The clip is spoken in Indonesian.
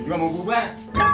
udah mau bubar